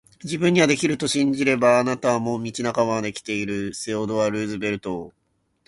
自分にはできると信じれば、あなたはもう道半ばまで来ている～セオドア・ルーズベルト～